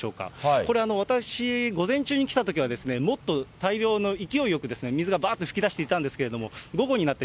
これ、私、午前中に来たときは、もっと大量の、勢いよく水がばーっと噴き出していたんですけれども、午後になって、